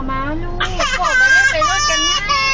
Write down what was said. พ่อขึ้นหน่อย